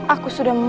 aku akan menang